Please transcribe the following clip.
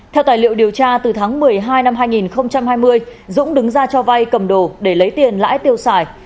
theo tài liệu điều tra từ tháng một mươi hai năm hai nghìn hai mươi dũng đứng ra cho vay cầm đồ để lấy tiền lãi tiêu xài